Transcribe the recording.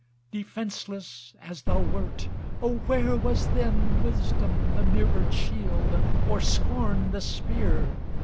Defenceless as thou wert, oh, where was then Wisdom the mirrored shield, or scorn the spear